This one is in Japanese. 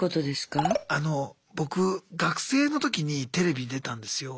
僕学生の時にテレビ出たんですよ。